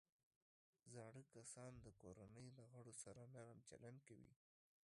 زاړه کسان د کورنۍ د غړو سره نرم چلند کوي